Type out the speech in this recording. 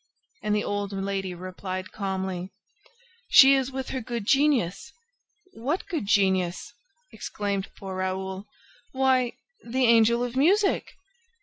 And the old lady replied calmly: "She is with her good genius!" "What good genius?" exclaimed poor Raoul. "Why, the Angel of Music!"